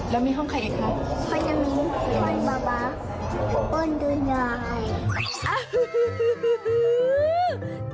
แล้วห้องใครอีกครับห้นปั๊มปั๊ดแล้วมีห้องใครอีกครับห้นน้ำนิ้วห้นปั๊บปั๊ดห้นตุ๋นยา